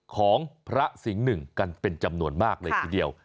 ของพระสิงห์หนึ่งกันเป็นจำนวนมากเลยทีเดียว